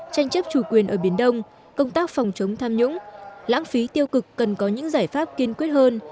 tranh chấp chủ quyền ở biển đông công tác phòng chống tham nhũng lãng phí tiêu cực cần có những giải pháp kiên quyết hơn